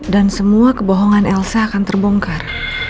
dan semua kebohongan elsa akan terbongkar